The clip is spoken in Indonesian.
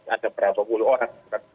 ada berapa puluh orang